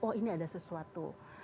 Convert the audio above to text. oh ini ada sesuatu